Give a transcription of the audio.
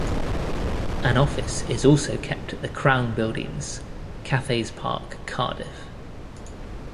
An office is also kept at the Crown Buildings, Cathays Park, Cardiff.